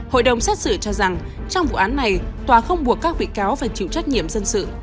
hội đồng xét xử cho rằng trong vụ án này tòa không buộc các bị cáo phải chịu trách nhiệm dân sự